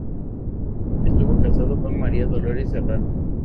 Estuvo casado con María Dolores Serrano.